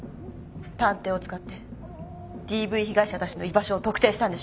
探偵を使ってＤＶ被害者たちの居場所を特定したんでしょ？